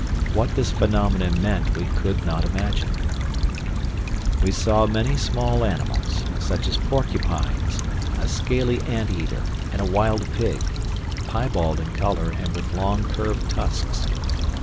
What this phenomenon meant we could not imagine. We saw many small animals, such as porcupines, a scaly ant eater, and a wild pig, piebald in color and with long curved tusks.